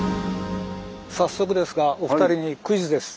早速ですがお二人にクイズです。